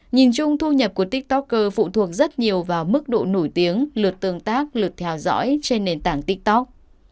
nhìn chung thu nhập của tiktoker phụ thuộc rất nhiều vào mức độ nổi tiếng lượt tương tác lượt theo dõi trên nền tảng tiktok